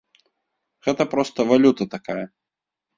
Гэта проста валюта такая.